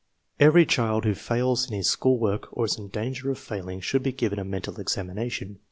Every child who fails in his school work or is in danger of failing should be given a mental examination.